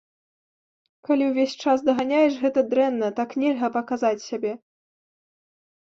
Калі ўвесь час даганяеш, гэта дрэнна, так нельга паказаць сябе.